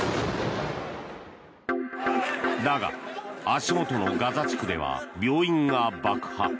だが足元のガザ地区では病院が爆破。